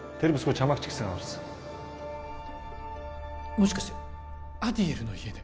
もしかしてアディエルの家で？